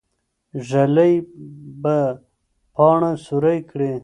ږلۍ به پاڼه سوری کړي.